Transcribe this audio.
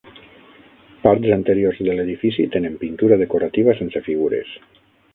Parts anteriors de l'edifici tenen pintura decorativa sense figures.